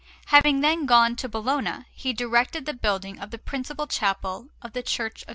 Having then gone to Bologna, he directed the building of the principal chapel of the Church of S.